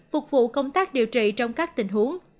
phục vụ công tác điều trị trong các tình huống